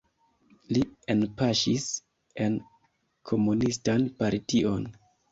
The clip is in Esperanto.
Li enpaŝis en komunistan partion.